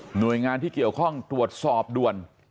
หน่วยงานที่เกี่ยวข้องตรวจสอบด่วน